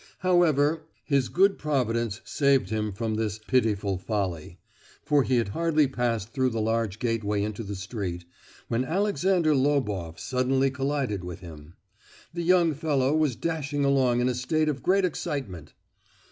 However, his good providence saved him from this "pitiful folly," for he had hardly passed through the large gateway into the street, when Alexander Loboff suddenly collided with him. The young fellow was dashing along in a state of great excitement.